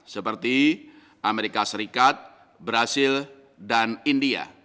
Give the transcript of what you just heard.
seperti amerika serikat brazil dan india